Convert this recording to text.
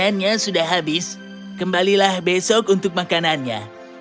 makanannya sudah habis kembalilah besok untuk makanannya